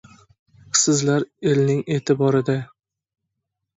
Sizlar, elning e’tibori-da!